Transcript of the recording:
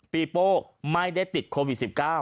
โป้ไม่ได้ติดโควิด๑๙